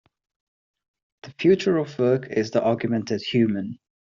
The future of work is the augmented human.